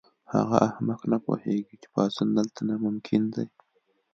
هغه احمق نه پوهیږي چې پاڅون دلته ناممکن دی